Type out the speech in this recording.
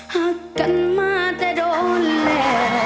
หักกันมาแต่โดนแม่